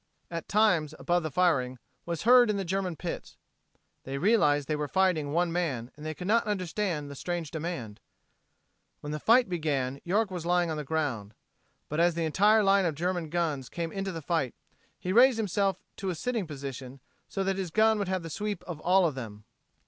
at times, above the firing, was heard in the German pits. They realized they were fighting one man, and could not understand the strange demand. When the fight began York was lying on the ground. But as the entire line of German guns came into the fight, he raised himself to a sitting position so that his gun would have the sweep of all of them.